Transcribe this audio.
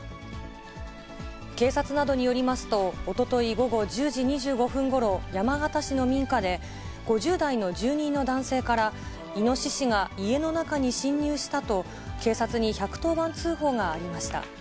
警察などによりますと、おととい午後１０時２５分ごろ、山形市の民家で、５０代の住人の男性からイノシシが家の中に侵入したと警察に１１０番通報がありました。